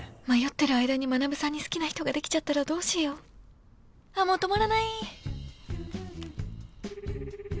迷ってる間に学さんに好きな人ができちゃったらどうしようああもう止まらない！